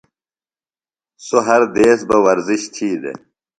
سوۡ ہر دیس بہ ورزِش تھی دےۡ۔